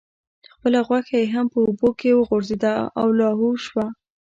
خپله غوښه یې هم په اوبو کې وغورځیده او لاهو شوه.